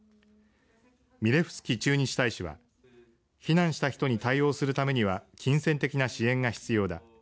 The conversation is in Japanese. ミレフスキ駐日大使は避難した人に対応するためには金銭的な支援が必要だ。